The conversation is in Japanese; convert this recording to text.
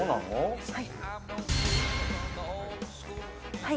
はい。